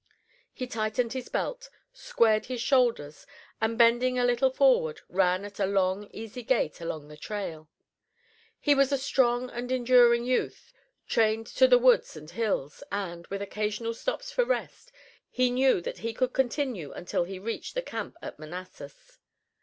He tightened his belt, squared his shoulders, and bending a little forward, ran at a long, easy gait along the trail. He was a strong and enduring youth, trained to the woods and hills, and, with occasional stops for rest, he knew that he could continue until he reached the camp at Manassas.